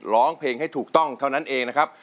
ร้องเพลงให้ถูกต้องเท่านั้นเองนะครับ